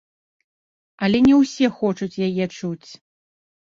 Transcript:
Але не ўсе хочуць яе чуць.